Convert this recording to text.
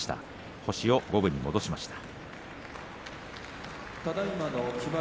星を五分に戻しました。